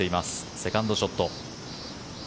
セカンドショット。